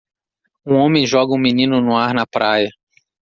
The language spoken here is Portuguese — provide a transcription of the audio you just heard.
Um homem joga um menino no ar na praia.